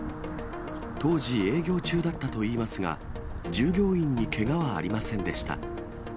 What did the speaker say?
当時、営業中だったといいますが、従業員にけがはありませんでした。